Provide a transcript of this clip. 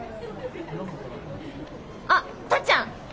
あっタッちゃん。